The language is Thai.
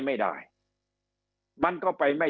แต่ว่าครอบครัวเป็นหนี้